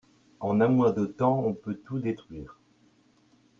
En un mois de temps on peut tout détruire.